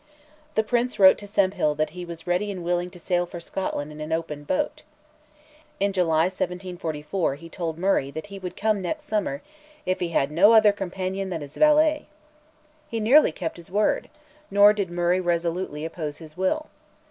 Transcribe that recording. The Prince wrote to Sempill that he was ready and willing to sail for Scotland in an open boat. In July 1744 he told Murray that he would come next summer "if he had no other companion than his valet." He nearly kept his word; nor did Murray resolutely oppose his will.